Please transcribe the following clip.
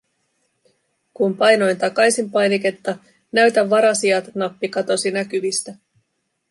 Kun painoin takaisin-painiketta, näytä varasijat -nappi katosi näkyvistä.